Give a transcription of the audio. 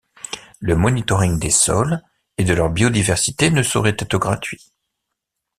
Le monitoring des sols et de leur biodiversité ne saurait être gratuit.